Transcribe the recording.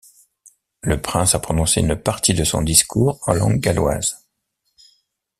Le prince a prononcé une partie de son discours en langue galloise.